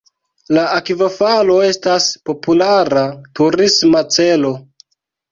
La akvofalo estas populara turisma celo.